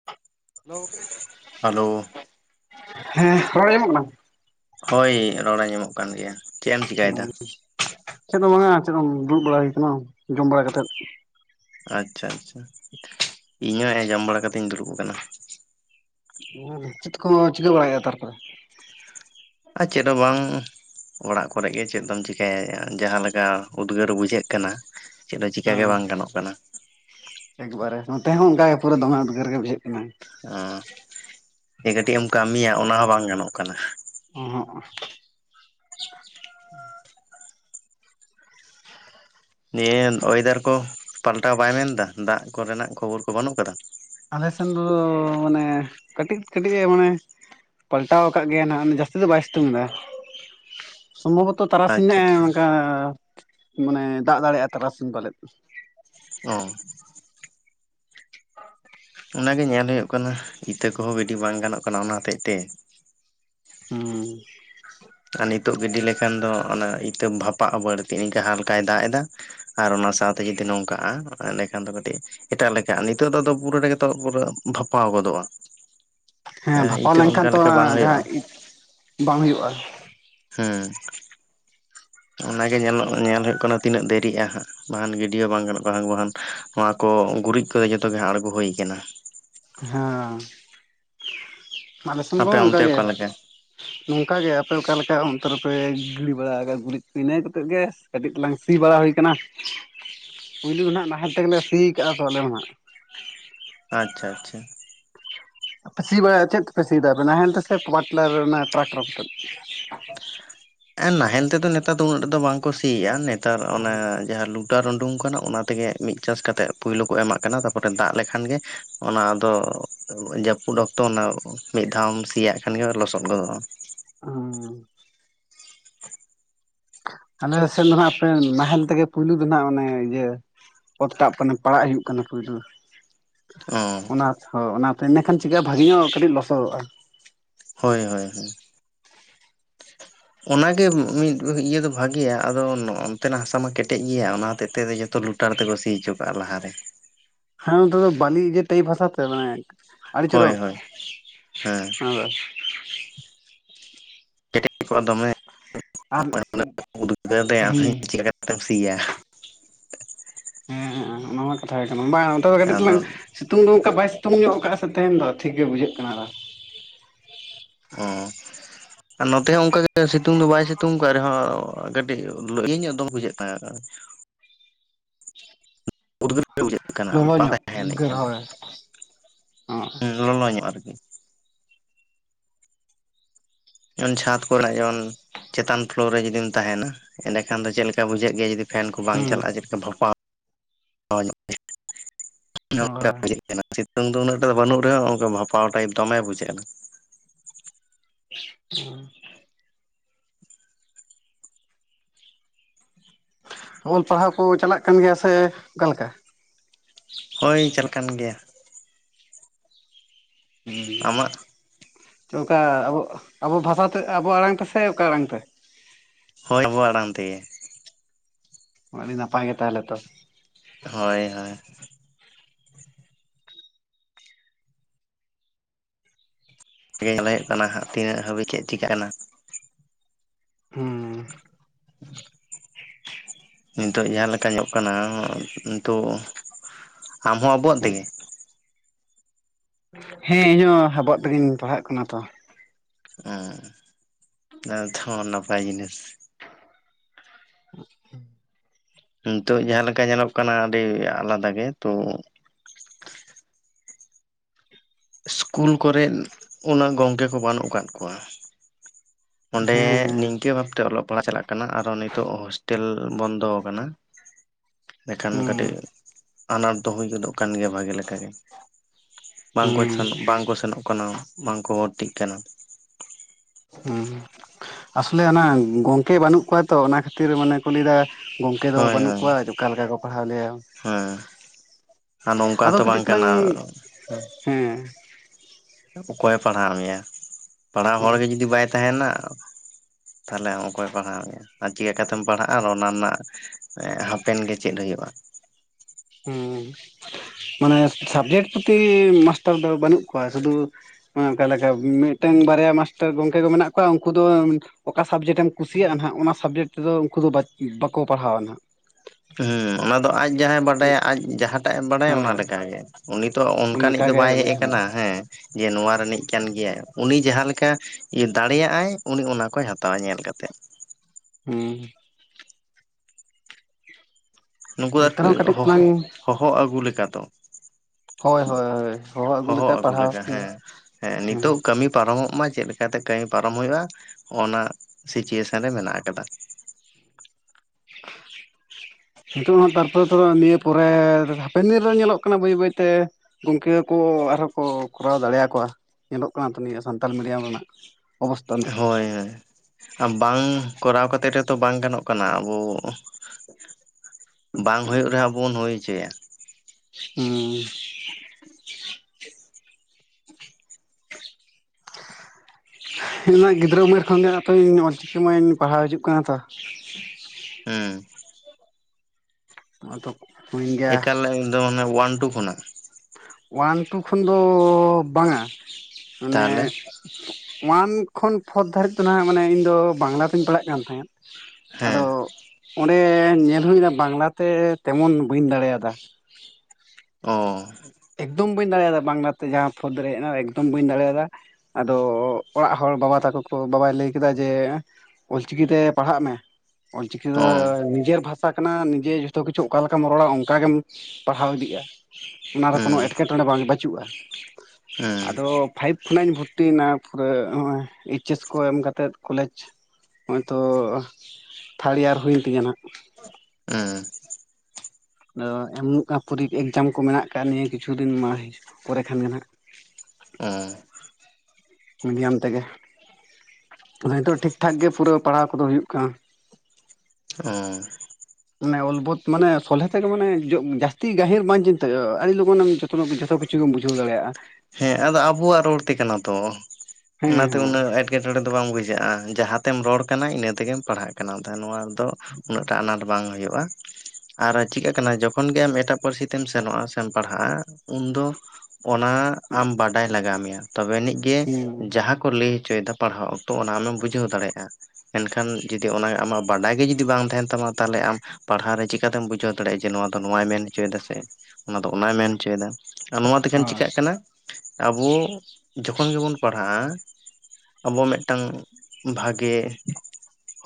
[inaudible] ᱦᱚᱸ ᱜᱚᱝᱠᱮ ᱦᱮᱞᱳ [unintelligible] ᱦᱮᱸ ᱨᱚᱲ ᱟᱡᱚᱢᱚᱜ ᱠᱟᱱᱟ? ᱦᱳᱭ ᱨᱚᱲ ᱟᱡᱚᱢᱚᱜ ᱠᱟᱱ ᱜᱮᱭᱟ ᱾ [unintelligible] ᱪᱮᱫ ᱦᱚ ᱵᱟᱝᱟ ᱪᱮᱫ ᱦᱚᱸ ᱫᱩᱲᱩᱵ ᱵᱟᱲᱟ ᱦᱳᱭ ᱠᱟᱱᱟ ᱡᱚᱢ ᱵᱟᱲᱟ ᱠᱟᱛᱮᱮᱫ ᱾ ᱟᱪᱪᱷᱟ ᱟᱪᱪᱷᱟ ᱤᱧ ᱦᱚᱸ ᱦᱮᱸ ᱮ ᱡᱚᱢ ᱵᱟᱲᱟ ᱠᱟᱛᱮᱧ ᱫᱩᱲᱩᱵ ᱠᱟᱱᱟ᱾ ᱦᱚᱸ ᱪᱮᱫ ᱠᱚᱢ ᱪᱤᱠᱟᱹ ᱵᱟᱲᱟᱭᱟ ᱛᱟᱨᱯᱚᱨᱮ? ᱟ ᱪᱮᱫ ᱦᱚᱸ ᱵᱟᱝ, ᱚᱲᱟᱜ ᱠᱚᱨᱮᱜ ᱜᱮ ᱪᱮᱫ ᱫᱚᱢ ᱪᱤᱠᱟᱭ ᱭᱟ ᱡᱟᱦᱟᱸ ᱞᱮᱠᱟ ᱩᱫᱽᱜᱟᱹᱨ ᱵᱩᱡᱷᱟᱹᱜ ᱠᱟᱱᱟ᱾ ᱪᱮᱫ ᱫᱚ ᱪᱤᱠᱟᱹᱜᱮ ᱵᱟᱝ ᱚ ᱜᱟᱱᱚᱜ ᱠᱟᱱᱟ ᱾ ᱮᱠᱵᱟᱨᱮ ᱱᱚᱛᱮ ᱦᱚᱸ ᱚᱝᱠᱟ ᱜᱮ ᱯᱩᱨᱟᱹ ᱫᱚᱢᱮ ᱩᱫᱽᱜᱟᱹᱨ ᱜᱮ ᱵᱩᱡᱷᱟᱹᱜ ᱠᱟᱱᱟ, ᱚᱸ ᱡᱮ ᱠᱟᱹᱴᱤᱡ ᱮᱢ ᱠᱟᱹᱢᱤᱭᱟ ᱚᱱᱟ ᱦᱚᱸ ᱵᱟᱝ ᱜᱟᱱᱚᱜ ᱠᱟᱱᱟ ᱾ ᱚᱸ ᱦᱩᱸᱜ [inaudible] ᱱᱤᱭᱟᱹ ᱚᱭᱮᱫᱟᱨ ᱠᱚ ᱯᱟᱞᱴᱟᱣ ᱵᱟᱭ ᱢᱮᱱ ᱫᱟ, ᱫᱟᱜ ᱠᱚᱨᱮᱱᱟᱜ ᱠᱷᱚᱵᱚᱨ ᱠᱚ ᱵᱟᱹᱱᱩᱜ ᱠᱟᱫᱟ? ᱟᱞᱮ ᱥᱮᱱ ᱫᱚ ᱢᱟᱱᱮ ᱠᱟᱹᱴᱤᱡ ᱠᱟᱹᱴᱤᱡ ᱮ ᱢᱟᱱᱮ ᱯᱟᱞᱴᱟᱣ ᱠᱟᱜ ᱜᱮᱭᱟ ᱱᱟᱦᱟᱜ ᱡᱟᱹᱥᱛᱤ ᱫᱚ ᱵᱟᱭ ᱥᱤᱛᱩᱝ ᱫᱟ᱾ ᱥᱚᱢᱵᱷᱚᱵᱚᱛᱚ ᱛᱟᱨᱟᱥᱤᱧ ᱟᱪᱪᱷᱟ ᱼ ᱮ ᱟᱪᱪᱷᱟ ᱚᱱᱠᱟ ᱢᱟᱱᱮ ᱫᱟᱜ ᱫᱟᱲᱮᱭᱟᱜᱼᱟ ᱛᱟᱨᱟᱥᱤᱧ ᱯᱟᱞᱮᱫ ᱾ ᱚᱸ ᱾ ᱚᱱᱟ ᱜᱮ ᱧᱮᱞᱦᱳᱭᱳᱜ ᱠᱟᱱᱟ ᱤᱛᱟᱹ ᱠᱚᱦᱚᱸ ᱜᱤᱹᱰᱤ ᱵᱟᱝ ᱜᱟᱱᱚᱜ ᱠᱟᱱᱟ ᱚᱱᱟ ᱦᱚᱛᱮᱡ ᱛᱮ ᱾ ᱦᱩᱸ ᱾ ᱟᱨ ᱱᱤᱛᱚᱜ ᱜᱤᱰᱤ ᱞᱮᱠᱷᱟᱱ ᱫᱚ ᱚᱱᱟ ᱤᱛᱟᱹ ᱵᱷᱟᱯᱟᱜᱼᱟ ᱵᱟᱹᱲᱛᱤ ᱱᱤᱝᱠᱟ ᱡᱟᱦᱟ ᱞᱮᱠᱟᱭ ᱫᱟᱜ ᱮᱫᱟ ᱾ ᱟᱨ ᱚᱱᱟ ᱥᱟᱶᱛᱮ ᱡᱩᱫᱤ ᱱᱚᱝᱠᱟᱜᱼᱟ ᱮᱰᱮ ᱠᱷᱟᱱ ᱫᱚ ᱠᱟᱹᱴᱤᱡ ᱮᱴᱟᱜ ᱞᱮᱠᱟ ᱱᱤᱛᱚᱜ ᱫᱚ ᱟ ᱯᱩᱨᱟᱹ ᱨᱮᱜᱮ ᱛᱚ ᱯᱩᱨᱟᱹ ᱵᱷᱟᱯᱟᱣ ᱜᱚᱫᱚᱜ-ᱟ ᱾ ᱦᱮᱸ ᱵᱷᱟᱯᱟᱣ ᱞᱮᱱᱠᱷᱟᱱ ᱛᱚ ᱡᱟᱦᱟᱸ ᱵᱟᱝ ᱦᱩᱭᱩᱜᱼᱟ ᱾ ᱦᱩᱸ ᱚᱱᱟ ᱜᱮ ᱧᱮᱞᱚᱜ ᱧᱮᱞ ᱦᱩᱭᱩᱜ ᱠᱟᱱᱟ ᱛᱤᱱᱟᱹᱜ ᱫᱮᱨᱤᱜᱼᱟ ᱦᱟᱸᱜ ᱾ [unintelligible] ᱜᱤᱰᱤ ᱦᱚᱸ ᱵᱟᱝ ᱜᱟᱱᱚᱜ ᱠᱟᱱᱟ, ᱱᱚᱣᱟ ᱠᱚ ᱜᱩᱨᱤᱡ ᱠᱚᱫᱚ ᱡᱚᱛᱚ ᱜᱮ ᱟᱬᱜᱳ ᱦᱩᱭ ᱟᱠᱟᱱᱟ ᱾ ᱦᱮᱸ ᱟᱞᱮᱥᱮᱱ ᱟᱯᱮ ᱦᱚᱸ ᱚᱱᱛᱮ ᱚᱱᱠᱟᱜᱮ ᱚᱠᱟ ᱞᱮᱠᱟ ᱾ ᱱᱚᱝᱠᱟ ᱜᱮ ᱟᱯᱮ ᱚᱠᱟ ᱞᱮᱠᱟ ᱚᱱᱛᱮ ᱨᱮᱯᱮ ᱜᱤᱲᱤ ᱵᱟᱲᱟ ᱟᱠᱟᱫᱟ ᱜᱩᱨᱤᱡ ᱠᱚ ᱤᱱᱟᱹ ᱠᱚᱛᱮᱫ ᱜᱮ ᱾ ᱠᱟᱹᱴᱤᱡ ᱪᱟᱞᱟᱝ ᱥᱤ ᱵᱟᱲᱟ ᱦᱩᱭ ᱠᱟᱱᱟ, ᱯᱩᱭᱞᱩ ᱱᱟᱦ ᱱᱟᱦᱮᱞ ᱛᱮᱜᱮᱞᱮ ᱥᱤ ᱠᱟᱜᱼᱟ ᱛᱚ ᱟᱞᱮ ᱦᱚᱸᱦᱟᱸᱜ ᱾ ᱟᱪᱪᱷᱟ ᱟᱪᱪᱷᱟ ᱾ ᱟᱯᱮ ᱥᱤ ᱵᱟᱲᱟ ᱪᱮᱫ ᱛᱮᱯᱮ ᱥᱤ ᱮᱫᱟ ᱱᱟᱦᱮᱞ ᱛᱮ ᱥᱮ ᱯᱟᱴᱴᱤᱞᱟᱨ ᱚᱱᱟ ᱴᱨᱟᱠᱴᱚᱨ ᱛᱮ? ᱱᱟᱦᱮᱞ ᱛᱮᱫᱚ ᱱᱮᱛᱟᱨ ᱫᱚ ᱩᱱᱟᱹᱜ ᱴᱟᱜ ᱫᱚ ᱵᱟᱝᱠᱚ ᱥᱤᱭᱟ ᱱᱮᱛᱟᱨ ᱚᱱᱟ ᱡᱟᱦᱟᱸ ᱞᱩᱴᱟᱨ ᱩᱰᱩᱝ ᱠᱟᱱᱟ ᱚᱱᱟ ᱛᱮᱜᱮ ᱢᱤᱫ ᱪᱟᱥ ᱠᱟᱛᱮᱫ ᱯᱩᱭᱞᱩ ᱠᱚ ᱮᱢᱟᱜ ᱠᱟᱱᱟ ᱛᱟᱯᱚᱨᱮ ᱫᱟᱜ ᱞᱮᱠᱷᱟᱱ ᱜᱮ ᱚᱱᱟ ᱫᱚ ᱡᱟᱹᱯᱩᱫ ᱚᱠᱛᱚ ᱚᱱᱟ ᱢᱤᱫ ᱫᱷᱟᱣᱮᱢ ᱥᱤᱭᱟᱜ ᱠᱷᱟᱱᱜᱮ ᱞᱚᱥᱚᱫ ᱜᱚᱫᱚᱜᱼᱟ ᱾ ᱚᱸ ᱾ [inaudible] [inaudible] ᱟᱞᱮ ᱥᱮᱫ ᱫᱚ [unintelligible] ᱱᱟᱦᱮᱞ ᱛᱮᱜᱮ ᱯᱩᱭᱞᱩ ᱫᱚ ᱱᱟᱜ ᱚᱱᱮ ᱤᱡᱟᱹ [unintelligible] ᱯᱟᱲᱟᱜ ᱦᱩᱭᱩᱜ ᱠᱟᱱᱟ ᱯᱩᱭᱞᱩ ᱾ ᱚᱸᱻ ᱾ ᱚᱱᱟ ᱪᱷᱚ ᱚᱱᱟᱛᱮ ᱤᱱᱟᱹᱠᱷᱟᱱ ᱪᱤᱠᱟᱹᱜᱼᱟ ᱵᱷᱟᱜᱮ ᱧᱚᱜ ᱠᱟᱹᱴᱤᱡ ᱞᱚᱥᱚᱫᱚᱜᱼᱟ ᱾ ᱦᱳᱭ ᱦᱳᱭ ᱦᱳᱭ ᱾ ᱚᱱᱟ ᱜᱮ ᱢᱤᱫ ᱤᱭᱟᱹ ᱫᱚ ᱵᱷᱟᱜᱮᱭᱟ ᱟᱫᱚ ᱱᱚᱜᱼᱚᱱ ᱛᱮᱱᱟᱜ ᱦᱟᱥᱟ ᱢᱟ ᱠᱮᱴᱮᱡ ᱜᱮᱭᱟ ᱚᱱᱟ ᱦᱚᱛᱮᱫ ᱛᱮ ᱡᱚᱛᱚ ᱞᱩ ᱞᱩᱴᱟᱨ ᱛᱮᱠᱚ ᱥᱤ ᱚᱪᱚ ᱠᱟᱜᱼᱟ ᱞᱟᱦᱟᱨᱮ ᱾ ᱦᱟᱸ ᱫᱚ ᱵᱟᱞᱤ ᱜᱮ ᱴᱟᱭᱤᱯ ᱦᱟᱥᱟ ᱥᱮ ᱢᱟᱱᱮ ᱟᱹᱰᱤ ᱦᱳᱭ ᱪᱚᱨᱚᱠ ᱦᱳᱭ ᱦᱮᱸ ᱟᱸ ᱠᱮᱴᱮᱡ ᱠᱚᱜ-ᱟ ᱫᱚᱢᱮ ᱟᱨ ᱦᱩᱸ [unintelligible] ᱪᱤᱠᱟᱹ ᱠᱟᱛᱮᱢ ᱥᱤᱭᱟ ᱾ ᱦᱮᱸ ᱚᱱᱟ ᱢᱟ ᱠᱟᱛᱷᱟ ᱜᱮ ᱠᱟᱱᱟ ᱵᱟᱝ ᱟᱫᱚ ᱠᱟᱹᱴᱤᱡ ᱪᱮᱞᱟᱝ ᱥᱤᱛᱩᱝ ᱫᱚ ᱚᱱᱠᱟ ᱵᱟᱭ ᱥᱤᱛᱩᱝ ᱧᱚᱜ ᱟᱠᱟᱜᱼᱟ ᱥᱮ ᱛᱮᱦᱮᱱ ᱫᱚ ᱴᱷᱤᱠ ᱜᱮ ᱵᱩᱡᱷᱟᱹᱜ ᱠᱟᱱᱟ ᱟᱫᱚ ᱾ ᱚ ᱟᱨ ᱱᱚᱛᱮ ᱦᱚᱸ ᱚᱱᱠᱟ ᱜᱮ ᱥᱤᱛᱩᱝ ᱫᱚ ᱵᱟᱭ ᱥᱤᱛᱩᱝ ᱟᱠᱟᱫ ᱨᱮᱦᱚᱸ ᱠᱟᱹᱴᱤᱡ ᱤᱭᱟᱹ ᱧᱚᱜ ᱫᱚᱢᱮ ᱵᱩᱡᱷᱟᱹᱜ ᱠᱟᱱᱟ᱾ [unintelligible] ᱩᱫᱽᱜᱟᱹᱨ ᱜᱮ ᱵᱩᱡᱷᱟᱹᱜ ᱠᱟᱱᱟ ᱞᱚᱞᱚ ᱧᱚᱜ ᱩᱫᱽᱜᱟᱹᱨ ᱦᱳᱭ [inaudible] ᱞᱚᱞᱚ ᱧᱚᱜ ᱟᱨᱠᱤ᱾ ᱪᱷᱟᱫᱽ ᱠᱚᱨᱮᱱᱟᱜ ᱡᱮᱢᱚᱱ ᱪᱮᱛᱟᱱ ᱯᱷᱞᱳᱨ ᱨᱮ ᱡᱩᱫᱤᱢ ᱛᱟᱦᱮᱸᱱᱟ, ᱮᱸᱰᱮᱠᱷᱟᱱ ᱫᱚ ᱪᱮᱫ ᱞᱮᱠᱟ ᱵᱩᱡᱷᱟᱹᱜ ᱜᱮᱭᱟ ᱡᱩᱫᱤ ᱯᱷᱮᱱ ᱠᱚ ᱵᱟᱝ ᱦᱩᱸ ᱪᱟᱞᱟᱜᱼᱟ ᱪᱮᱫᱠᱟ ᱵᱷᱟᱯᱟᱣ ᱦᱳᱭ [inaudible] ᱮᱱᱟ ᱥᱤᱛᱩᱝ ᱫᱚ ᱩᱱᱟᱹᱜ ᱴᱟᱜ ᱵᱟᱹᱱᱩᱜ ᱨᱮᱦᱚᱸ ᱚᱱᱠᱟ ᱵᱷᱟᱯᱟᱣ ᱥᱟᱹᱦᱤᱡ ᱫᱚᱢᱮ ᱵᱩᱡᱷᱟᱹᱜᱼᱟ᱾ ᱦᱩᱸ [inaudible] ᱚᱞ ᱯᱟᱲᱦᱟᱣ ᱠᱚ ᱪᱟᱞᱟᱜ ᱠᱟᱱ ᱜᱮᱭᱟ ᱥᱮ ᱚᱠᱟ ᱞᱮᱠᱟ? ᱦᱳᱭ ᱪᱟᱞᱟ ᱠᱟᱱ ᱜᱮᱭᱟ ᱾ ᱟᱢᱟᱜ? ᱚᱠᱟ ᱟᱵᱚ ᱟᱵᱚ ᱵᱷᱟᱥᱟᱛᱮ ᱟᱵᱚᱣᱟᱜ ᱟᱲᱟᱝ ᱛᱮ ᱥᱮ ᱚᱠᱟ ᱟᱲᱟᱝ ᱛᱮ? ᱦᱳᱭ ᱟᱵᱚᱣᱟᱜ ᱟᱲᱟᱝ ᱛᱮᱜᱮ ᱾ ᱟᱹᱰᱤ ᱱᱟᱯᱟᱭ ᱜᱮ ᱛᱟᱦᱚᱞᱮ ᱛᱚ ᱾ ᱦᱳᱭ ᱦᱳᱭ ᱾ ᱧᱮᱞ ᱦᱳᱭᱳᱜ ᱠᱟᱱᱟ ᱦᱟᱸᱜ ᱛᱤᱱᱟᱹᱜ ᱦᱟᱹᱵᱤᱡ ᱪᱮᱫ ᱪᱤᱠᱟᱹ ᱠᱟᱱᱟ ᱾ ᱦᱩ [inaudible] ᱱᱤᱛᱚᱜ ᱡᱟᱦᱟᱸ ᱞᱮᱠᱟ ᱧᱮᱞᱚᱜ ᱠᱟᱱᱟ ᱱᱤᱛᱚᱜ, ᱟᱢ ᱦᱚᱸ ᱟᱵᱚᱣᱟᱜ ᱛᱮᱜᱮ? ᱦᱮᱸ ᱤᱧᱦᱚᱸ ᱟᱵᱚᱣᱟᱜ ᱛᱮᱜᱤᱧ ᱯᱟᱲᱦᱟᱜ ᱠᱟᱱᱟ ᱛᱚ ᱾ [unintelligible] ᱱᱟᱯᱟᱭ ᱡᱤᱱᱤᱥ [unintelligible] ᱱᱤᱛᱚᱜ ᱡᱟᱦᱟᱸ ᱞᱮᱠᱟ ᱧᱮᱞᱚᱜ ᱠᱟᱱᱟ ᱟᱹᱰᱤ ᱟᱞᱟᱫᱟ ᱜᱮ ᱛᱚ ᱤᱥᱠᱩᱞ ᱠᱚᱨᱮᱫ ᱚᱱᱟ ᱜᱚᱝᱠᱮ ᱠᱚ ᱵᱟᱹᱱᱩᱜ ᱠᱟᱫ ᱠᱚᱣᱟ ᱾ ᱚᱸᱰᱮ ᱦᱮᱸ ᱦᱮᱸ ᱱᱤᱝᱠᱟᱹ ᱵᱷᱟᱵᱛᱮ ᱚᱞᱚᱜ ᱯᱟᱲᱦᱟᱜ ᱪᱟᱞᱟᱜ ᱠᱟᱱᱟ ᱠᱟᱱᱟ ᱟᱨᱚ ᱱᱤᱛᱚᱜ ᱦᱳᱥᱴᱮᱞ ᱵᱚᱱᱫᱚ ᱟᱠᱟᱱᱟ᱾ ᱮᱰᱮᱠᱷᱟᱱ ᱦᱩᱸ ᱠᱟᱹᱴᱤᱡ ᱟᱱᱟᱴ ᱫᱚ ᱦᱩᱭ ᱜᱚᱫᱚᱜ ᱠᱟᱱ ᱜᱮᱭᱟ ᱵᱷᱟᱜᱤ ᱞᱮᱠᱟᱜᱮ, ᱵᱟᱝᱠᱚ ᱦᱩᱸ ᱵᱟᱝ ᱠᱚ ᱥᱮᱱᱚᱜ ᱠᱟᱱᱟ ᱵᱟᱝᱠᱚ ᱦᱚᱨᱛᱤᱜ ᱠᱟᱱᱟ᱾ ᱦᱩ ᱟᱥᱚᱞᱮ ᱦᱟᱱᱟ ᱜᱚᱝᱠᱮ ᱵᱟᱹᱱᱩᱜ ᱠᱚᱣᱟ ᱛᱚ ᱚᱱᱟ ᱠᱷᱟᱹᱛᱤᱨ ᱢᱟᱱᱮ ᱠᱚ ᱞᱟᱹᱭᱟ ᱜᱚᱝᱠᱮ ᱫᱚ ᱵᱟᱹᱱᱩᱜ ᱠᱚᱣᱟ ᱚᱠᱟ ᱞᱮᱠᱟ ᱠᱚ ᱯᱟᱲᱦᱟᱣ ᱞᱮᱭᱟ? ᱦᱮ ᱟᱨ ᱱᱚᱝᱠᱟ ᱛᱚ ᱵᱟᱝ ᱠᱟᱱᱟ ᱦᱮ ᱚᱠᱚᱭᱮ ᱯᱟᱲᱦᱟᱣ ᱢᱮᱭᱟ? ᱯᱟᱲᱦᱟᱣ ᱦᱚᱲ ᱜᱮ ᱡᱩᱫᱤ ᱵᱟᱭ ᱛᱟᱦᱮᱱᱟ᱾ ᱛᱟᱦᱚᱞᱮ ᱚᱠᱚᱭ ᱯᱟᱲᱦᱟᱣ ᱢᱮᱭᱟ ᱟᱨ ᱪᱤᱠᱟ. ᱠᱟᱛᱮᱢ ᱯᱟᱲᱦᱟᱜᱼᱟ ᱟᱨ ᱚᱱᱟ ᱨᱮᱱᱟᱜ ᱦᱟᱯᱮᱱ ᱜᱮ ᱪᱮᱫ ᱦᱩᱭᱩᱜᱼᱟ? ᱦᱮᱸ ᱢᱟᱱᱮ ᱥᱟᱵᱡᱮᱠᱴ ᱯᱨᱚᱛᱤ ᱢᱟᱥᱴᱟᱨ ᱫᱚ ᱵᱟᱹᱱᱩᱜ ᱠᱚᱣᱟ ᱥᱩᱫᱩ ᱚᱱᱠᱟ ᱞᱮᱠᱟ ᱢᱤᱫᱴᱟᱝ ᱵᱟᱨᱭᱟ ᱢᱟᱥᱴᱟᱨ ᱜᱚᱝᱠᱮ ᱠᱚ ᱢᱮᱱᱟᱜ ᱠᱚᱣᱟ ᱩᱱᱠᱩ ᱫᱚ ᱚᱠᱟ ᱥᱟᱵᱡᱮᱠᱴ ᱮᱢ ᱠᱩᱥᱤᱭᱟᱜᱼᱟ ᱱᱟᱜ ᱚᱱᱟ ᱥᱟᱵᱽᱡᱮᱠᱴ ᱛᱮᱫᱚ ᱩᱱᱠᱩ ᱫᱚ ᱵᱟᱠᱚ ᱯᱟᱲᱦᱟᱣᱟ ᱱᱟᱜ᱾ ᱦᱮᱸ ᱚᱱᱟ ᱫᱚ ᱟᱡ ᱡᱟᱦᱟᱸᱟᱭ ᱵᱟᱰᱟᱭᱟ ᱟᱡ ᱡᱟᱦᱟᱸᱴᱟᱜ ᱮ ᱵᱟᱰᱟᱭᱟ ᱦᱳᱭ ᱚᱱᱟ ᱞᱮᱠᱟᱜᱮ᱾ ᱩᱱᱤ ᱛᱚ ᱚᱱᱠᱟᱱᱤᱡ ᱫᱚ ᱚᱱᱠᱟᱜᱮ ᱵᱟᱭ ᱦᱮᱡ ᱵᱩᱡᱷᱟᱹᱣ ᱢᱮ ᱟᱠᱟᱱᱟ ᱦᱮᱸ ᱡᱮ ᱱᱚᱣᱟ ᱨᱤᱱᱤᱡ ᱠᱟᱱ ᱜᱮᱭᱟᱭ᱾ ᱩᱱᱤ ᱡᱟᱦᱟᱸ ᱞᱮᱠᱟ ᱫᱟᱲᱮᱭᱟᱜ ᱟᱭ ᱩᱱᱤ ᱚᱱᱟ ᱠᱚᱭ ᱦᱟᱛᱟᱣᱟ ᱧᱮᱞ ᱠᱟᱛᱮᱫ᱾ ᱦᱩᱸ ᱱᱩᱠᱩ ᱫᱚ ᱮᱱᱛᱮ ᱨᱮᱦᱚᱸ ᱟᱨᱠᱤᱚ ᱠᱟᱹᱴᱤᱡ ᱛᱟᱞᱟᱝ ᱦᱚᱦᱚ ᱟᱹᱜᱩ ᱞᱮᱠᱟ ᱛᱚ ᱾ ᱦᱳᱭ ᱦᱳᱭ ᱟᱹᱜᱩ ᱦᱚᱦᱚ ᱟᱜᱩ ᱯᱟᱲᱦᱟᱣ ᱞᱮᱠᱟ ᱦᱮᱸ ᱦᱮᱸ ᱱᱤᱛᱳᱜ ᱠᱟᱹᱢᱤ ᱯᱟᱨᱚᱢᱚᱜ ᱢᱟ ᱪᱮᱫᱞᱮ ᱪᱠᱟᱛᱮ ᱠᱟᱹᱢᱤ ᱯᱟᱨᱚᱢ ᱦᱩᱭᱩᱜᱼᱟ ᱚᱱᱟ ᱥᱤᱪᱩᱭᱮᱥᱚᱱ ᱨᱮ ᱢᱮᱱᱟᱜ ᱟᱠᱟᱫᱟ᱾ [unintelligible] ᱱᱤᱛᱚᱜ ᱦᱚᱸ ᱛᱟᱨᱯᱚᱨᱮ ᱛᱚ ᱱᱤᱭᱟᱹ ᱯᱚᱨᱮ ᱦᱟᱯᱮᱱ ᱫᱤᱱ ᱨᱮ ᱧᱮᱞᱚᱜ ᱠᱟᱱᱟ ᱵᱟᱹᱭ ᱵᱟᱹᱭ ᱛᱮ ᱜᱚᱢᱠᱮ ᱠᱚ ᱟᱨᱦᱚᱸ ᱠᱚ ᱠᱚᱨᱟᱣ ᱫᱟᱲᱮᱭᱟᱠᱚᱣᱟ ᱧᱮᱞᱚᱜ ᱠᱟᱱᱟ ᱛᱚ ᱱᱤᱭᱟᱹ ᱥᱟᱱᱛᱟᱲ ᱢᱤᱰᱤᱭᱟᱢ ᱨᱮᱱᱟᱜ ᱚᱵᱚᱥᱛᱟ ᱨᱮᱱᱟᱜ ᱦᱳᱭ ᱵᱟᱝ ᱠᱚᱨᱟᱣ ᱠᱟᱛᱮ ᱨᱮᱦᱚ ᱛᱚ ᱵᱟᱝ ᱜᱟᱱᱚᱜ ᱠᱟᱱᱟ ᱟᱵᱚ ᱵᱟᱝ ᱦᱩᱭᱩᱜ ᱨᱮᱦᱚᱸ ᱟᱵᱚ ᱵᱚᱱ ᱦᱳᱭ ᱦᱚᱪᱚᱭᱟ᱾ ᱩᱸᱻ ᱤᱧᱢᱟ ᱜᱤᱫᱽᱨᱟᱹ ᱩᱢᱮᱨ ᱠᱷᱚᱱ ᱜᱮᱛᱩᱤᱧ ᱚᱞᱪᱤᱠᱤ ᱢᱟᱧ ᱯᱟᱲᱦᱟᱣ ᱦᱤᱡᱩᱜ ᱠᱟᱱᱟ ᱛᱚ, ᱦᱩᱸ᱾ ᱟᱫᱚ ᱦᱩᱭᱮᱱ ᱜᱮᱭᱟ ᱮᱠᱟᱞ ᱫᱚ ᱚᱣᱟᱱ ᱴᱩ ᱠᱷᱚᱱᱟᱜ? ᱚᱣᱟᱱ ᱴᱩ ᱠᱷᱚᱱ ᱫᱚ ᱵᱟᱝᱟ ᱢᱟᱱᱮ ᱛᱟᱦᱚᱞᱮ ᱚᱣᱟᱱ ᱠᱷᱚᱱ ᱯᱷᱳᱨ ᱫᱷᱟᱨᱤᱡ ᱫᱚ ᱱᱟᱦᱟᱸᱜ ᱢᱟᱱᱮ ᱤᱧ ᱫᱚ ᱵᱟᱝᱞᱟ ᱛᱤᱧ ᱯᱟᱲᱦᱟᱜ ᱠᱟᱱ ᱛᱟᱦᱮᱸᱫ᱾ ᱟᱫᱚ ᱦᱮᱸ ᱚᱸᱰᱮ ᱧᱮᱞ ᱦᱩᱭ ᱮᱱᱟ ᱵᱟᱝᱞᱟ ᱛᱮ ᱛᱮᱢᱚᱱ ᱵᱟᱹᱧ ᱫᱟᱲᱮᱭᱟᱫᱟ, ᱚᱻ ᱮᱠᱫᱚᱢ ᱵᱟᱹᱧ ᱫᱟᱲᱮᱭᱟᱫᱟ ᱵᱟᱝᱞᱟᱛᱮ ᱡᱟᱦᱟᱸ ᱯᱷᱟᱫ ᱨᱮ ᱦᱮᱡ ᱮᱠᱫᱚᱢ ᱵᱟᱹᱧ ᱫᱟᱲᱮᱭᱟᱫᱟ᱾ ᱟᱫᱚ ᱚᱲᱟᱜ ᱦᱚᱲ ᱵᱟᱵᱟ ᱛᱟᱠᱚ ᱠᱚ ᱵᱟᱵᱟᱭ ᱞᱟᱹᱭ ᱠᱮᱫᱟ ᱡᱮ ᱚᱞᱪᱤᱠᱤ ᱛᱮ ᱯᱟᱲᱦᱟᱜ ᱢᱮ ᱚᱞᱪᱤᱠᱤ ᱫᱚ ᱚ ᱱᱤᱡᱮᱨ ᱵᱷᱟ ᱥᱟ ᱠᱟᱱᱟ ᱱᱤᱡᱮ ᱡᱷᱚᱛᱚ ᱠᱤᱪᱷᱩ ᱚᱠᱟ ᱞᱮᱠᱟᱢ ᱨᱚᱲᱟ ᱚᱱᱠᱟ ᱜᱮᱢ ᱯᱟᱲᱦᱟᱣ ᱤᱫᱤᱜᱼᱟ᱾ ᱚᱱᱟᱨᱮ ᱠᱳᱱᱳ ᱮᱸᱴᱠᱮᱴᱚᱬᱮ ᱵᱟᱝ ᱵᱟᱹᱪᱩᱜᱼᱟ, ᱦᱩᱸᱻ ᱟᱫᱚ ᱯᱷᱟᱭᱤᱵ ᱠᱷᱚᱱᱟᱜ ᱤᱧ ᱵᱷᱚᱨᱛᱤᱭᱮᱱᱟ ᱯᱩᱨᱟᱹ ᱦᱚᱸᱜᱚᱭ ᱮᱭᱤᱪ ᱮᱥ ᱠᱚ ᱮᱢ ᱠᱟᱛᱮᱫ ᱠᱚᱞᱮᱡᱽ ᱦᱚᱸᱜᱼᱚᱭ ᱛᱚ ᱛᱷᱟᱨ ᱤᱭᱟᱨ ᱦᱩᱭᱮᱱ ᱛᱤᱧᱟᱹ ᱦᱟᱜ, ᱩᱸᱻ ᱟᱫᱚ ᱮᱢᱚᱜ ᱠᱟ ᱯᱩᱨᱤ ᱮᱠᱡᱟᱢ ᱠᱚ ᱢᱮᱱᱟᱜ ᱟᱠᱟᱫ ᱱᱤᱭᱟᱹ ᱠᱤᱪᱷᱩ ᱫᱤᱱ ᱠᱚᱨᱮ ᱠᱷᱟᱱᱜ ᱜᱮ ᱱᱟᱸᱜ ᱚᱸᱻ ᱢᱤᱰᱤᱭᱟᱢ ᱛᱮᱜᱮ ᱟᱫᱚ ᱱᱤᱛᱚᱜ ᱴᱷᱤᱠ ᱴᱷᱟᱠ ᱜᱮ ᱯᱩᱨᱟᱹ ᱯᱟᱲᱦᱟᱣ ᱠᱚᱫᱚ ᱦᱩᱭᱩᱜ ᱠᱟᱱᱟ᱾ ᱚᱸᱻ ᱢᱟᱱᱮ ᱚᱞᱵᱚᱛ ᱢᱟᱱᱮ ᱥᱚᱞᱦᱮ ᱛᱮᱜᱮ ᱢᱟᱱᱮ ᱡᱟᱹᱥᱛᱤ ᱜᱟᱹᱦᱤᱨ ᱵᱟᱧ ᱪᱤᱱᱛᱟᱹᱜᱼᱟ ᱟᱹᱰᱤ ᱞᱚᱜᱚᱱ ᱠᱚᱨᱱᱚ ᱢᱚᱛᱚᱷ ᱠᱤ ᱪᱷᱩ ᱜᱮᱢ ᱵᱩᱡᱟᱹᱣ ᱫᱟᱲᱮᱭᱟᱜᱼᱟ, ᱦᱮᱸ ᱟᱫᱚ ᱟᱵᱚᱣᱟᱜ ᱨᱚᱲ ᱛᱮ ᱠᱟᱱᱟ ᱛᱚ, ᱚᱱᱟᱛᱮ ᱦᱮᱸ ᱩᱱᱟᱹᱜ ᱮᱴ ᱠᱮᱴᱚᱬᱮ ᱫᱚ ᱵᱟᱝ ᱵᱩᱡᱷᱟᱹᱜᱼᱟ ᱡᱟᱦᱟᱸ ᱛᱮᱢ ᱨᱚᱲ ᱠᱟᱱᱟ ᱤᱱᱟᱹ ᱛᱮᱜᱮᱢ ᱯᱟᱲᱦᱟᱜ ᱠᱟᱱᱟ ᱛᱟᱦᱮᱸ ᱱᱚᱣᱟ ᱫᱚ ᱩᱱᱟᱹᱜ ᱴᱟ ᱟᱱᱟᱴ ᱜᱮ ᱵᱟᱝ ᱦᱩᱭᱩᱜᱼᱟ, ᱟᱨ ᱪᱤᱠᱟᱹᱜ ᱠᱟᱱᱟ ᱡᱚᱠᱷᱚᱱ ᱜᱮ ᱟᱢ ᱮᱴᱟᱜ ᱯᱟᱹᱨᱥᱤ ᱛᱮᱢ ᱥᱮᱱᱚᱜᱼᱟ ᱥᱮᱢ ᱯᱟᱲᱦᱟᱜᱼᱟ ᱩᱱᱫᱚ ᱚᱱᱟ ᱟᱢ ᱵᱟᱰᱟᱭ ᱞᱟᱜᱟᱣ ᱢᱮᱭᱟ ᱛᱚᱵᱮ ᱟᱹᱱᱤᱡ ᱜᱮ ᱦᱮᱸ ᱡᱟᱦᱟᱸ ᱠᱚ ᱞᱟᱹᱭ ᱦᱚᱪᱚᱭ ᱫᱟ ᱯᱟᱲᱦᱟᱣ ᱚᱠᱛᱚ ᱚᱱᱟ ᱟᱢᱮᱢ ᱵᱩᱡᱷᱟᱹᱣ ᱫᱟᱲᱮᱭᱟᱜᱼᱟ᱾ ᱮᱱᱠᱷᱟᱱ ᱡᱩᱚᱫᱤ ᱚᱱᱟ ᱟᱢᱟᱜ ᱵᱟᱰᱟᱭ ᱜᱮ ᱡᱩᱚᱫᱤ ᱵᱟᱝ ᱛᱟᱦᱮᱱ ᱛᱟᱢᱟ ᱛᱟᱦᱚᱞᱮ ᱟᱢ ᱯᱟᱲᱦᱟᱣ ᱨᱮ ᱪᱤᱠᱠᱟᱛᱮᱢ ᱵᱩᱡᱷᱟᱹᱣ ᱫᱟᱲᱮᱭᱟᱜᱼᱟ ᱡᱮ ᱱᱚᱣᱟ ᱫᱚ ᱱᱚᱣᱟᱭ ᱢᱮᱱ ᱦᱚᱪᱚᱭ ᱫᱟ ᱥᱮ ᱱᱚᱣᱟ ᱫᱚ ᱚᱱᱟᱭ ᱢᱮᱱ ᱦᱚᱪᱚᱭ ᱫᱟ᱾ ᱟᱨ ᱱᱚᱣᱟ ᱦᱮᱸ ᱛᱮᱠᱷᱟᱱ ᱦᱳᱭ ᱪᱤᱠᱟᱹᱜ ᱠᱟᱱᱟ ᱟᱵᱚ ᱡᱚᱠᱷᱚᱱ ᱜᱮᱵᱚᱱ ᱯᱟᱲᱦᱟᱜᱼᱟ, ᱟᱵᱚ ᱢᱤᱫᱴᱟᱝ ᱵᱷᱟᱜᱮ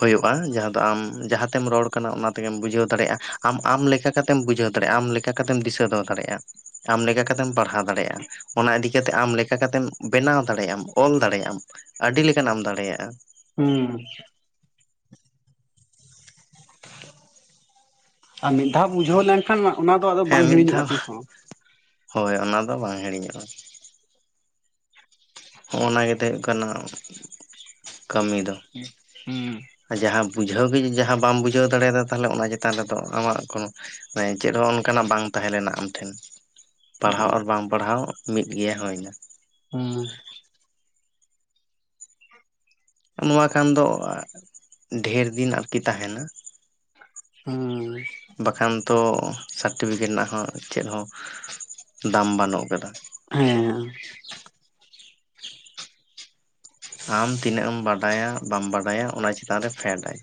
ᱦᱳᱭᱳᱜᱼᱟ ᱡᱟᱦᱟᱸ ᱫᱚ ᱟᱢ ᱡᱟᱦᱟᱸᱛᱮᱢ ᱨᱚᱲ ᱠᱟᱱᱟ ᱚᱱᱟ ᱛᱮᱜᱮᱢ ᱵᱩᱡᱷᱟᱹᱣ ᱫᱟᱲᱮᱭᱟᱜᱼᱟ, ᱟᱢ ᱟᱢ ᱞᱮᱠᱟ ᱞᱮᱠᱟᱛᱮᱢ ᱵᱩᱡᱷᱟᱹᱣ ᱫᱟᱲᱮᱭᱟᱜᱼᱟ ᱟᱢ ᱞᱮᱠᱟ ᱞᱮᱠᱟᱛᱮᱢ ᱫᱤᱥᱟᱹ ᱫᱚᱦᱚ ᱫᱟᱲᱮᱭᱟᱜᱼᱟ ᱟᱢ ᱞᱮᱠᱟᱢ ᱯᱟᱲᱦᱟᱣ ᱫᱟᱲᱮᱭᱟᱜᱼᱟ, ᱚᱱᱟ ᱤᱫᱤ ᱠᱟᱛᱮᱜ ᱟᱢ ᱞᱮᱠᱟ ᱠᱟᱛᱮᱢ ᱵᱮᱱᱟᱣ ᱫᱟᱲᱮᱭᱟᱜ ᱟᱢ ᱚᱞ ᱫᱟᱲᱮᱭᱟᱜ ᱟᱢ ᱟᱹᱰᱤ ᱞᱮᱠᱟᱱᱟᱜ ᱮᱢ ᱫᱟᱲᱮᱭᱟᱜᱼᱟ᱾ ᱦᱩᱸ᱾ ᱟᱨ ᱢᱤᱫ ᱫᱷᱟᱣ ᱵᱩᱡᱷᱟᱹᱣ ᱞᱮᱱᱠᱷᱟᱱ ᱚᱱᱟ ᱫᱚ ᱟᱫᱚ ᱦᱮᱸ ᱵᱟᱝ ᱢᱤᱫ ᱦᱤᱲᱤᱧᱚᱜᱼᱟ ᱫᱷᱟᱣ ᱛᱤᱥ ᱦᱚᱸ᱾ ᱦᱳᱭ ᱚᱱᱟ ᱫᱚ ᱵᱟᱝ ᱦᱤᱲᱤᱧᱚᱜᱼᱟ᱾ ᱦᱚᱸᱜᱼᱱᱟ ᱜᱮᱛᱚ ᱦᱩᱭᱩᱜ ᱠᱟᱱᱟ ᱠᱟᱹᱢᱤ ᱫᱚ᱾ ᱦᱩᱸ ᱡᱟᱦᱟᱸ ᱵᱩᱡᱷᱟᱹᱣ ᱜᱮ ᱡᱟᱦᱟᱸ ᱵᱟᱢ ᱵᱩᱡᱷᱟᱹᱣ ᱫᱟᱲᱮᱭᱟᱫᱟ ᱛᱟᱦᱚᱞᱮ ᱚᱱᱟ ᱪᱮᱛᱟᱱ ᱨᱮᱫᱚ ᱟᱢᱟᱜ ᱠᱳᱱᱳ ᱪᱮᱫ ᱦᱚᱸ ᱚᱱᱠᱟᱱᱟᱜ ᱵᱟᱝ ᱛᱟᱦᱮᱸ ᱞᱮᱱᱟ ᱟᱢ ᱴᱷᱮᱱ᱾ ᱯᱟᱲᱦᱟᱣ ᱟᱨ ᱵᱟᱝ ᱯᱟᱲᱦᱟᱣ ᱢᱤᱫᱜᱮᱭᱟ ᱦᱩᱭ ᱱᱟ᱾ ᱦᱩᱸ᱾ ᱱᱚᱣᱟ ᱠᱷᱟᱱ ᱫᱚ ᱰᱷᱮᱨ ᱫᱤᱱ ᱟᱨᱠᱤ ᱛᱟᱦᱮᱸᱱᱟ, ᱦᱩᱸ᱾ [unintelligible] ᱵᱟᱠᱷᱟᱱ ᱛᱚ ᱥᱟᱨᱴᱤᱯᱷᱤᱠᱮᱴ ᱨᱮᱱᱟᱜ ᱦᱚᱸ ᱪᱮᱫ ᱦᱚᱸ ᱫᱟᱢ ᱵᱟᱹᱱᱩᱜ ᱠᱟᱫᱟ᱾ [unintelligible] ᱟᱢ ᱛᱤᱱᱟᱹᱜ ᱮᱢ ᱵᱟᱰᱟᱭᱟ ᱵᱟᱢ ᱵᱟᱰᱟᱭᱟ ᱚᱱᱟ ᱪᱮᱛᱟᱱᱨᱮ ᱯᱷᱮᱰ ᱟᱭ᱾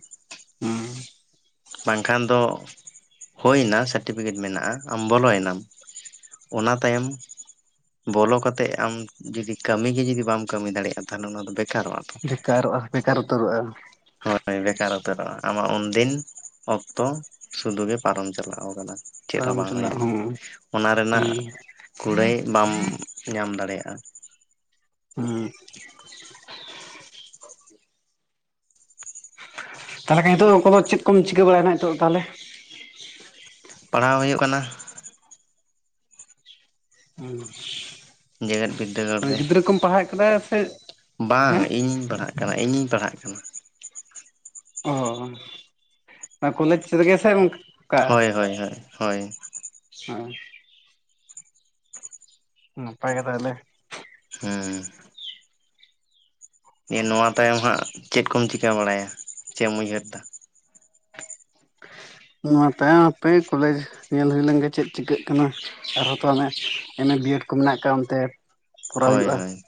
ᱦᱩᱸᱢ ᱵᱟᱝᱠᱷᱟᱱ ᱫᱚ ᱦᱩᱭᱱᱟ ᱥᱟᱨᱴᱤᱯᱷᱤᱠᱮᱴ ᱢᱮᱱᱟᱜᱼᱟ ᱟᱢ ᱵᱚᱞᱚᱭᱱᱟᱢ᱾ ᱚᱱᱟ ᱛᱟᱭᱚᱢ ᱵᱚᱞᱚ ᱠᱟᱛᱮᱫ ᱟᱢ ᱡᱩᱫᱤ ᱠᱟᱹᱢᱤ ᱜᱮ ᱡᱩᱫᱤ ᱵᱟᱢ ᱠᱟᱹᱢᱤ ᱫᱟᱲᱮᱭᱟᱜᱼᱟ ᱛᱟᱦᱚᱞᱮ ᱚᱱᱟ ᱫᱚ ᱵᱮᱠᱟᱨᱚᱜᱼᱟ ᱛᱚ? ᱵᱮᱠᱟᱨᱚᱜᱼᱟ ᱵᱮᱠᱟᱨ ᱩᱛᱟᱹᱨᱚᱜᱼᱟ᱾ ᱦᱳᱭ ᱵᱮᱠᱟᱨ ᱩᱛᱟᱹᱨᱚᱜᱼᱟ ᱟᱢᱟᱜ ᱩᱱᱫᱤᱱ ᱚᱠᱛᱚ ᱥᱩᱫᱩ ᱜᱮ ᱯᱟᱨᱚᱢ ᱪᱟᱞᱟᱣ ᱠᱟᱱᱟ᱾ ᱪᱮᱫ ᱦᱚᱸ ᱛᱟᱭᱚᱢ ᱵᱟᱝ ᱪᱟᱞᱟᱜ ᱦᱩᱭᱱᱟ ᱦᱚᱸ ᱚᱱᱟ ᱨᱮᱱᱟᱜ ᱦᱮᱸ ᱠᱩᱲᱟᱹᱭ ᱵᱟᱢ ᱧᱟᱢ ᱫᱟᱲᱮᱭᱟᱜᱼᱟ᱾ ᱦᱩᱸ ᱛᱟᱦᱚᱞᱮ ᱠᱷᱟᱱ ᱱᱤᱛᱚᱜ ᱠᱚ ᱫᱚ ᱪᱮᱫ ᱠᱚᱢ ᱪᱤᱠᱟᱹ ᱵᱟᱲᱟᱭᱟ ᱱᱤᱛᱚᱜ ᱫᱚ ᱛᱟᱦᱚᱞᱮ? ᱯᱟᱲᱦᱟᱣ ᱦᱩᱭᱩᱜ ᱠᱟᱱᱟ᱾ ᱡᱮᱜᱮᱫ ᱵᱤᱫᱽᱫᱟᱹᱜᱟᱲ ᱢᱟᱱᱮ ᱨᱮ ᱜᱤᱫᱽᱨᱟᱹ ᱠᱚᱢ ᱯᱟᱲᱦᱟᱣ ᱠᱟᱫᱟ ᱥᱮ ᱵᱟᱝ ᱦᱮᱸ ᱤᱧᱤᱧ ᱯᱟᱲᱦᱟᱜ ᱠᱟᱱᱟ ᱤᱧᱤᱧ ᱯᱟᱲᱦᱟᱜ ᱠᱟᱱᱟ᱾ ᱚ ᱠᱚᱞᱮᱡᱽ ᱨᱮᱜᱮ ᱥᱮ? ᱦᱳᱭ ᱦᱳᱭ ᱦᱳᱭ ᱦᱳᱭ ᱦᱮᱸ ᱱᱟᱯᱟᱭ ᱜᱮ ᱛᱟᱦᱞᱮ᱾ ᱦᱮᱸ ᱫᱤᱭᱮ ᱱᱚᱣᱟ ᱛᱟᱭᱚᱢ ᱦᱟᱸᱜ ᱪᱮᱫ ᱠᱚᱢ ᱪᱤᱠᱟᱹ ᱵᱟᱲᱟᱭᱟ ᱪᱮ ᱮᱢ ᱩᱭᱦᱟᱹᱨ ᱫᱟ? ᱱᱚᱣᱟ ᱛᱟᱭᱚᱢ ᱦᱟᱸᱯᱮ ᱠᱚᱞᱮᱡᱽ ᱧᱮᱞ ᱦᱩᱭ ᱞᱮᱱ ᱜᱮ ᱪᱮᱫ ᱪᱤᱠᱟᱹᱜ ᱠᱟᱱᱟ᱾ ᱟᱨᱦᱚᱸ ᱛᱚ ᱚᱱᱮ ᱮᱢ ᱮ ᱵᱤᱭᱮᱰ ᱠᱚ ᱢᱮᱱᱟᱜ ᱠᱟᱜ-ᱟ ᱚᱱᱛᱮᱼᱼ ᱦᱚᱭ ᱦᱚᱭ᱾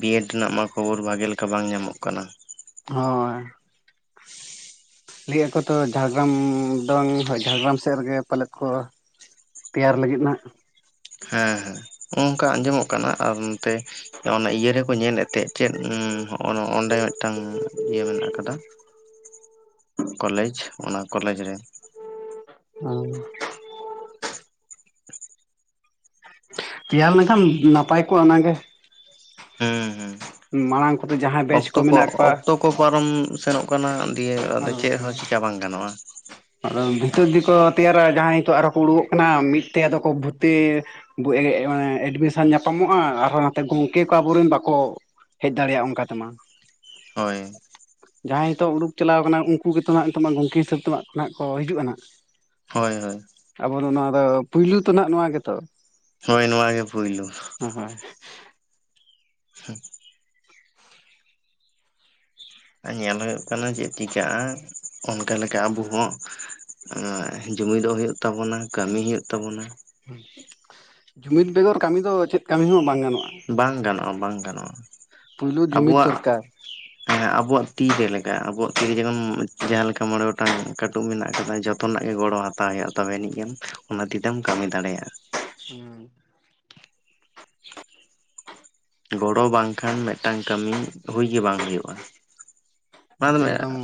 ᱵᱤᱭᱮᱰ ᱨᱮᱱᱟᱜ ᱢᱟ ᱠᱷᱚᱵᱚᱨ ᱵᱷᱟᱜᱮ ᱞᱮᱠᱟ ᱵᱟᱝ ᱧᱟᱢᱚᱜ ᱠᱟᱱᱟ᱾ ᱦᱚᱸᱭ᱾ ᱞᱟᱹᱭᱮᱜ-ᱟ ᱠᱚ ᱛᱚ ᱡᱷᱟᱲᱜᱽᱨᱟᱢ ᱫᱚᱝ ᱡᱷᱟᱲᱜᱽᱨᱟᱢ ᱥᱮᱜ ᱨᱮᱜᱮ ᱯᱟᱞᱮᱫ ᱠᱚᱼᱼ ᱛᱮᱭᱟᱨ ᱞᱟᱹᱜᱤᱫ ᱱᱟᱸᱜ᱾ ᱦᱮᱸ ᱦᱮᱸ ᱚᱝᱠᱟ ᱟᱸᱡᱚᱢᱚᱜ ᱠᱟᱱᱟ ᱟᱨ ᱱᱚᱛᱮᱼᱼ ᱚᱱᱟ ᱤᱭᱟᱹ ᱨᱮᱠᱚ ᱧᱮᱞᱮᱜ ᱛᱮᱜ ᱪᱮᱫ [unintelligible] ᱱᱚᱸᱰᱮ ᱢᱤᱫᱴᱟᱝᱼᱼ ᱤᱭᱟᱹ ᱢᱮᱱᱟᱜ ᱠᱟᱫᱟ ᱠᱚᱞᱮᱡᱽ ᱚᱱᱟ ᱠᱚᱞᱮᱡᱽ ᱨᱮ᱾ ᱚᱝ᱾ ᱛᱤᱭᱟᱨ ᱞᱮᱱᱠᱷᱟᱱ ᱱᱟᱯᱟᱭ ᱠᱚᱜ-ᱟ ᱚᱱᱟ ᱜᱮ᱾ ᱦᱩᱸ ᱦᱩᱸ᱾ ᱢᱟᱲᱟᱝ ᱠᱚᱫᱚ ᱡᱟᱦᱟᱸᱭ ᱵᱮᱪ ᱚᱠᱛᱚ ᱠᱚ ᱢᱮᱱᱟᱜ ᱠᱚᱣᱟ ᱚᱠᱛᱚ ᱠᱚ ᱯᱟᱨᱚᱢ ᱥᱮᱱᱚᱜ ᱠᱟᱱᱟ ᱫᱤᱭᱮ ᱟᱨ ᱟᱫᱚ ᱪᱮᱫ ᱦᱚᱸ ᱪᱮᱠᱟ ᱵᱟᱝ᱾ ᱜᱟᱱᱚᱜ-ᱟ᱾ ᱟᱫᱚ ᱵᱷᱤᱛᱟᱹᱨ ᱡᱩᱫᱤ ᱠᱚ ᱛᱮᱭᱟᱨᱟ ᱡᱟᱦᱟᱸᱭ ᱦᱤᱸᱛᱚᱜ ᱟᱨ ᱦᱚᱸ ᱠᱚ ᱩᱰᱩᱠᱚᱜ ᱠᱟᱱᱟ ᱢᱤᱫᱛᱮ ᱟᱫᱚ ᱠᱚ ᱵᱷᱩᱛᱛᱤᱼᱼ ᱵᱚ ᱮᱜ ᱢᱟᱱᱮ ᱮᱰᱢᱤᱥᱮᱱ ᱧᱟᱯᱟᱢᱚᱜ-ᱟ ᱟᱨᱦᱚᱸ ᱱᱟᱛᱮ ᱜᱚᱝᱠᱮ ᱠᱚ ᱟᱵᱚᱨᱮᱱ ᱵᱟᱠᱚᱼᱼ ᱦᱮᱡ ᱫᱟᱲᱮᱭᱟᱜ-ᱟ ᱚᱱᱠᱟ ᱛᱮᱢᱟ᱾ ᱦᱳᱭ᱾ ᱡᱟᱦᱟᱸᱭ ᱦᱤᱛᱚᱜ ᱩᱰᱩᱠ ᱪᱟᱞᱟᱣ ᱠᱟᱱᱟ ᱩᱱᱠᱩ ᱜᱤᱛᱚ ᱱᱟᱦᱟᱸᱜ ᱱᱤᱛᱚᱜ ᱢᱟ ᱜᱚᱝᱠᱮ ᱦᱤᱥᱟᱹᱵᱽ ᱛᱮ ᱢᱟ ᱱᱟᱦᱟᱸᱜ ᱠᱚ ᱦᱤᱡᱩᱜ-ᱟ ᱱᱟᱦᱟᱸᱜ᱾ ᱦᱚᱭ ᱦᱚᱭ᱾ ᱟᱵᱚ ᱫᱚ ᱱᱚᱣᱟ ᱫᱚ ᱯᱩᱭᱞᱩ ᱛᱚ ᱱᱟᱦᱟᱸᱜ ᱱᱚᱣᱟ ᱜᱮᱛᱚ᱾ ᱦᱚᱭ ᱱᱚᱣᱟ ᱜᱮ ᱯᱩᱭᱞᱩ᱾ ᱦᱚᱸ ᱦᱚᱭ ᱾ ᱦᱮᱸᱜ᱾ ᱧᱮᱞ ᱦᱩᱭᱩᱜ ᱠᱟᱱᱟ ᱪᱮᱫ ᱪᱤᱠᱟᱜ-ᱟ ᱚᱱᱠᱟ ᱞᱮᱠᱟ ᱟᱵᱚ ᱦᱚᱸᱼᱼ ᱮᱸ ᱡᱩᱢᱤᱫᱚᱜ ᱦᱩᱭᱩᱜ ᱛᱟᱵᱚᱱᱟ ᱠᱟᱹᱢᱤ ᱦᱩᱭᱩᱜ ᱛᱟᱵᱩᱱᱟ᱾ ᱡᱩᱢᱤᱫ ᱵᱮᱜᱚᱨ ᱠᱟᱢᱤ ᱫᱚ ᱪᱮᱫ ᱠᱟᱢᱤ ᱦᱚᱸ ᱵᱟᱝ ᱜᱟᱱᱚᱜ-ᱟ᱾ ᱵᱟᱝ ᱜᱟᱱᱚᱜ-ᱟ᱾ ᱵᱟᱝ ᱜᱟᱱᱚᱜ-ᱟ᱾ ᱯᱩᱭᱞᱩ ᱡᱩᱢᱤᱫ ᱟᱵᱚᱣᱟᱜᱼᱼ ᱫᱚᱨᱠᱟᱨ ᱦᱮᱸ ᱟᱵᱚᱣᱟᱜ ᱛᱤ ᱡᱮᱞᱮᱠᱟ᱾ ᱟᱵᱚᱣᱟᱜ ᱛᱤᱨᱮ ᱡᱮᱢᱚᱱ ᱡᱟᱦᱟᱸ ‌ᱞᱮᱠᱟ ᱢᱚᱬᱮ ᱜᱚᱴᱟᱝ ᱠᱟᱹᱴᱩᱵ ᱢᱮᱱᱟᱜ ᱟᱠᱟᱫᱟ ᱡᱚᱛᱼᱼ ᱛᱚᱱᱟᱜ ᱜᱮ ᱜᱚᱲᱚ ᱦᱟᱛᱟᱣ ᱦᱩᱭᱩᱜ-ᱟ᱾ ᱛᱚᱵᱮ ᱟᱹᱱᱤᱡ ᱜᱮᱢ ᱚᱱᱟ ᱛᱤᱛᱮᱢ ᱠᱟᱢᱤ ᱫᱟᱲᱮᱭᱟᱜ-ᱟ᱾ ᱦᱩᱸ᱾ ᱜᱚᱲᱚ ᱵᱟᱝ ᱠᱷᱟᱱ ᱢᱮᱜᱴᱟᱝ ᱠᱟᱹᱢᱤ, ᱦᱩᱭ ᱜᱮ ᱵᱟᱝ ᱦᱩᱭᱩᱜ-ᱟ᱾ ᱚᱱᱟ ᱮᱠᱫᱚᱢ [unintelligible]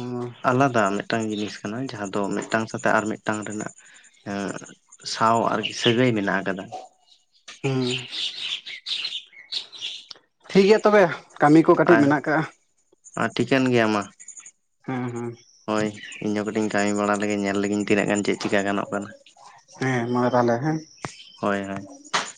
ᱟᱞᱟᱫᱟ ᱞᱮᱜᱼᱼ ᱴᱟᱝ ᱡᱤᱱᱤᱥ ᱠᱟᱱᱟ᱾ ᱡᱟᱦᱟᱸ ᱫᱚ ᱢᱮᱜᱴᱟᱝ ᱥᱟᱛᱮᱜ ᱟᱨ ᱢᱤᱜᱴᱟᱝ ᱨᱮᱱᱟᱜ ᱮᱸᱼᱼ ᱥᱟᱶ ᱟᱨᱠᱤ ᱥᱟᱹᱜᱟᱹᱭ ᱢᱮᱱᱟᱜ ᱟᱠᱟᱫᱟ᱾ ᱦᱩᱸ, ᱴᱷᱤᱠ ᱜᱮᱭᱟ ᱛᱚᱵᱮ᱾ ᱠᱟᱢᱤ ᱠᱚ ᱠᱟᱴᱤᱡ ᱢᱮᱱᱟᱜ ᱠᱟᱜ-ᱟ᱾ ᱟ ᱴᱷᱤᱠᱟᱹᱱ ᱜᱮᱭᱟ ᱢᱟ᱾ ᱦᱩᱸ- ᱦᱩᱸ᱾ ᱦᱚᱭ ᱤᱧ ᱦᱚᱸ ᱠᱟᱹᱴᱤᱡ ᱤᱧ ᱠᱟᱹᱢᱤ ᱵᱟᱲᱟ ᱞᱮᱜᱮ, ᱧᱮᱞ ᱞᱤᱜᱤᱧ ᱛᱤᱱᱟᱹᱜ ᱜᱟᱱ ᱪᱮᱫ ᱪᱤᱠᱟ ᱜᱟᱱᱚᱜ ᱠᱟᱱᱟ᱾ ᱦᱮᱸ ᱢᱟ ᱛᱟᱦᱚᱞᱮ ᱦᱮᱸ᱾ ᱦᱚᱭ-ᱦᱚᱭ᱾